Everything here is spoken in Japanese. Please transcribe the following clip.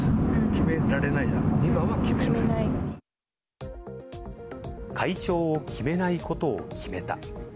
決められないじゃなくて、今は決会長を決めないことを決めた。